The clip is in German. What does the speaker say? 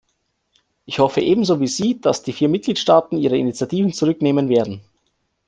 Ich hoffe ebenso wie Sie, dass die vier Mitgliedstaaten ihre Initiativen zurücknehmen werden.